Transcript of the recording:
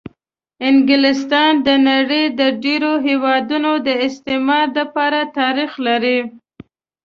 انګلستان د د نړۍ د ډېرو هېوادونو د استعمار دپاره تاریخ لري.